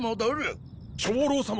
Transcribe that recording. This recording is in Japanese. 長老様！